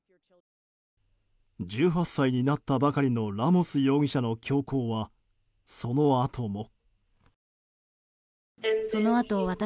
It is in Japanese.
１８歳になったばかりのラモス容疑者の凶行はそのあとも。